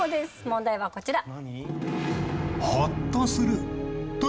問題はこちら。